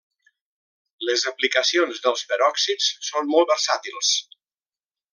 Les aplicacions dels peròxids són molt versàtils.